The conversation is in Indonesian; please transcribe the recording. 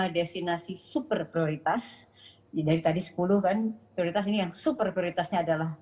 destinasi super prioritas dari tadi sepuluh kan prioritas ini yang super prioritasnya adalah